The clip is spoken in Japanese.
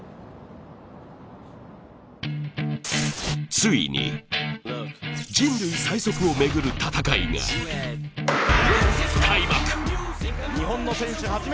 ついに、人類最速を巡る戦いが開幕！